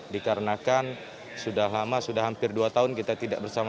dikarenakan sudah lama sudah hampir dua tahun kita tidak bersama